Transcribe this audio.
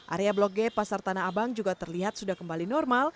area blok g pasar tanah abang juga terlihat sudah kembali normal